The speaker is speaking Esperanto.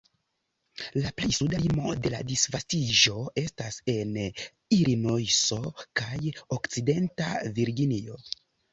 La plej suda limo de la disvastiĝo estas en Ilinojso kaj Okcidenta Virginio.